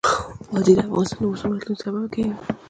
وادي د افغانستان د موسم د بدلون سبب کېږي.